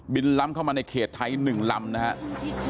ล้ำเข้ามาในเขตไทย๑ลำนะครับ